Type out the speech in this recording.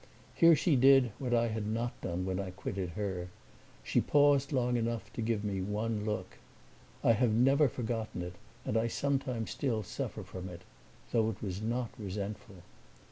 Here she did what I had not done when I quitted her she paused long enough to give me one look. I have never forgotten it and I sometimes still suffer from it, though it was not resentful.